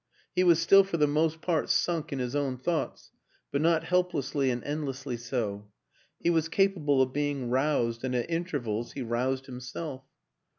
He was still for the most part sunk in his own thoughts, but not helplessly and endlessly so; he was capable of be ing roused and at intervals he roused himself.